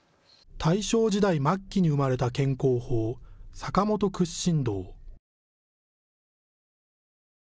大正時代末期に生まれた健康法、坂本屈伸道。